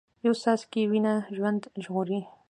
یو څاڅکی وینه ژوند ژغوري